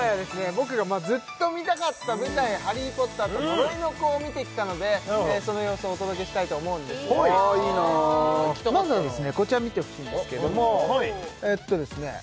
僕がまあずっと見たかった舞台「ハリー・ポッターと呪いの子」を見てきたのでその様子をお届けしたいと思うんですけれどもねいいなまずはですねこちら見てほしいんですけれどもえっとですね